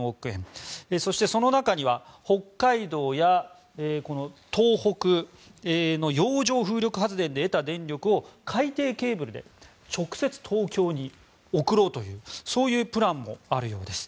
そして、その中には北海道や東北の洋上風力発電で得た電力を海底ケーブルで直接東京に送ろうというそういうプランもあるようです。